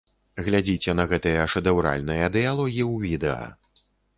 Глядзіце на гэтыя шэдэўральныя дыялогі ў відэа.